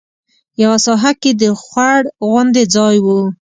یوه ساحه کې د خوړ غوندې ځای و.